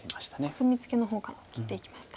コスミツケの方から切っていきました。